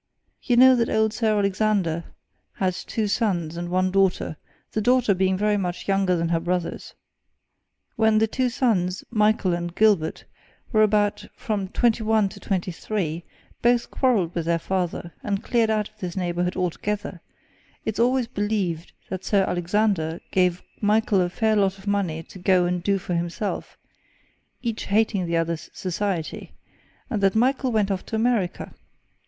You know that old Sir Alexander had two sons and one daughter the daughter being very much younger than her brothers. When the two sons, Michael and Gilbert, were about from twenty one to twenty three, both quarrelled with their father, and cleared out of this neighbourhood altogether; it's always believed that Sir Alexander gave Michael a fair lot of money to go and do for himself, each hating the other's society, and that Michael went off to America.